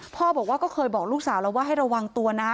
พ่อบอกว่าก็เคยบอกลูกสาวแล้วว่าให้ระวังตัวนะ